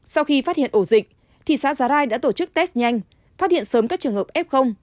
sau khi phát hiện ổ dịch thị xã giá rai đã tổ chức test nhanh phát hiện sớm các trường hợp f